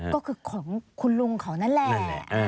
ก็คือของคุณลุงของนั่นแหละนั่นแหละ